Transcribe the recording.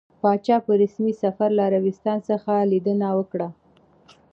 پاچا په رسمي سفر له عربستان څخه ليدنه وکړه.